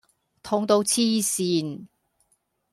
痛到痴線